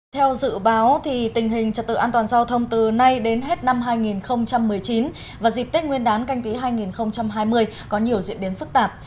theo dự báo tình hình trật tự an toàn giao thông từ nay đến hết năm hai nghìn một mươi chín và dịp tết nguyên đán canh tí hai nghìn hai mươi có nhiều diễn biến phức tạp